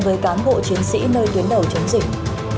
với cán bộ chiến sĩ nơi tuyến đầu chống dịch